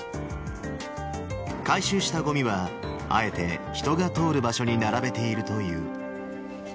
回収したごみは、あえて人が通る場所に並べているという。